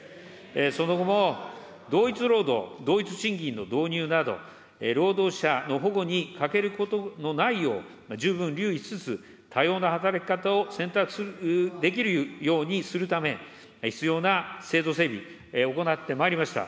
その後も、同一労働同一賃金の導入など、労働者の保護に欠けることのないよう、十分留意しつつ、多様な働き方を選択できるようにするため、必要な制度整備、行ってまいりました。